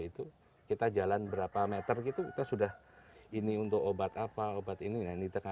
ini keluarga religion disini dan sudah tujuh tujuh pelanggan ini jo certa